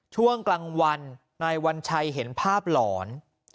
ช่วงกลางวันนายวัญชัยเห็นภาพหลอน